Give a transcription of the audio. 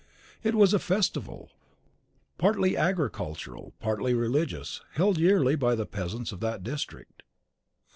It was a festival, partly agricultural, partly religious, held yearly by the peasants of that district.